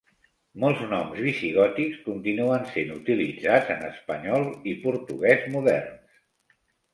Molts noms visigòtics continuen sent utilitzats en espanyol i portuguès moderns.